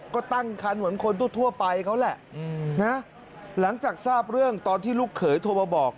ก็ตั้งคันเหมือนคนทั่วไปเขาแหละนะหลังจากทราบเรื่องตอนที่ลูกเขยโทรมาบอก